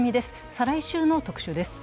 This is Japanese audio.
再来週の特集です。